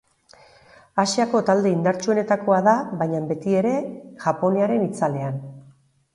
Asiako talde indartsuenetakoa da baina beti ere Japoniaren itzalean.